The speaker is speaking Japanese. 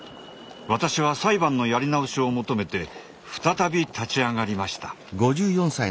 私は裁判のやり直しを求めて再び立ち上がりました。